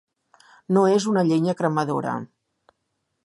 No és una llenya cremadora.